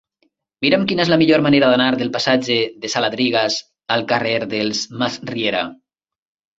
Mira'm quina és la millor manera d'anar del passatge de Saladrigas al carrer dels Masriera.